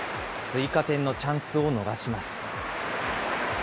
追加点のチャンスを逃します。